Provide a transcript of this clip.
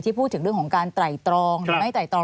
พูดถึงเรื่องของการไตรตรองหรือไม่ไตรตรอง